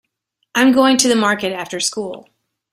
I'm going to the market after school.